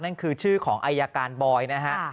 นั่นคือชื่อของอายการบอยนะฮะ